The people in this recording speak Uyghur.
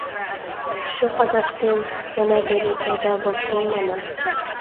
ئۇششۇق ئاداشتىن يەنە بىرى پەيدا بوپتۇ مانا!